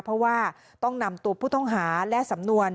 เพราะว่าต้องนำตัวผู้ต้องหาและสำนวน